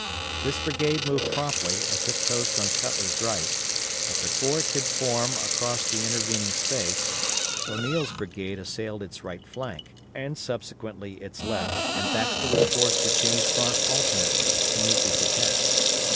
This brigade moved promptly, and took post on Cutler's right, but before it could form across the intervening space, O'Neill's brigade assailed its right flank, and subsequently its left, and Baxter was forced to change front alternately, to meet these attacks.